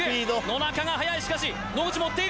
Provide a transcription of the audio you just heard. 野中が速いしかし野口も追っている。